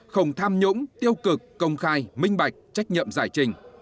không tham nhũng tiêu cực công khai minh bạch trách nhiệm giải trình